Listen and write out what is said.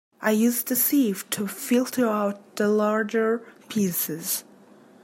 I used a sieve to filter out the larger pieces.